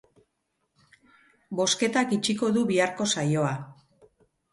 Bozketak itxiko du biharko saioa.